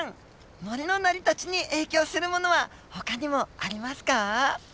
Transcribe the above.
森の成り立ちに影響するものはほかにもありますか？